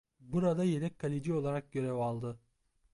Burada yedek kaleci olarak görev aldı.